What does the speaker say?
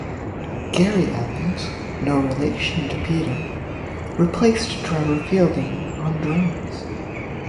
Gary Evans (no relation to Peter) replaced Trevor Fielding on drums.